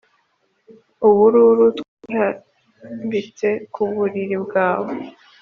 ubururu twarambitse ku buriri bwe.